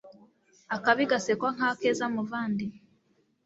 Akabi gasekwa nk'akeza muvandi.